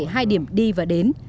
hay điểm đến